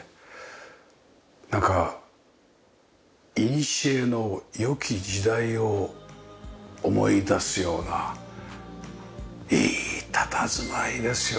なんかいにしえの良き時代を思い出すようないいたたずまいですよね。